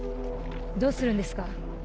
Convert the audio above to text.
どうするんですか？